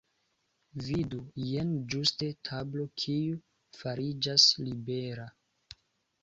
Vidu! Jen ĝuste tablo kiu fariĝas libera.